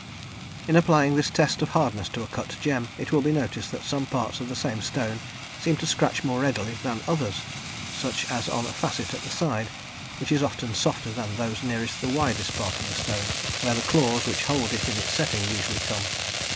In applying this test of hardness to a cut gem, it will be noticed that some parts of the same stone seem to scratch more readily than others, such as on a facet at the side, which is often softer than those nearest the widest part of the stone, where the claws, which hold it in its setting, usually come.